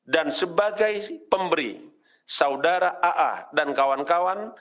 dan sebagai pemberi saudara aa dan kawan kawan